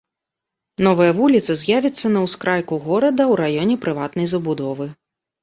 Новая вуліца з'явіцца на ўскрайку горада ў раёне прыватнай забудовы.